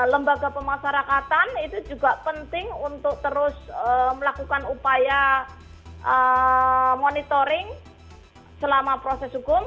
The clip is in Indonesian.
lembaga pemasarakatan itu juga penting untuk terus melakukan upaya monitoring selama proses hukum